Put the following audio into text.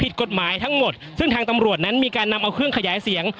ผิดกฎหมายทั้งหมดซึ่งทางตำรวจนั้นมีการนำเอาเครื่องขยายเสียง